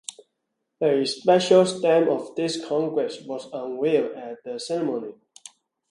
A special stamp of this congress was unveiled at the ceremony.